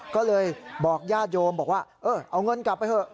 ก็เลยบอกญาติโยมเอาเงินกลับไปเถอะ